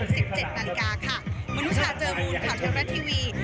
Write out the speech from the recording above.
ซึ่งไทรัตย์ทีวี